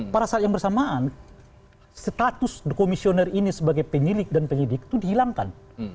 pada saat yang bersamaan status komisioner ini sebagai penyidik dan penyidik itu dihilangkan